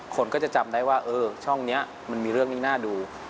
คนก็จะจำได้ว่าเออช่องนี้มันมีเรื่องที่น่าดู